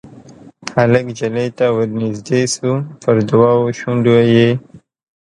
هلک نجلۍ ته ورنیژدې شو پر دوو شونډو یې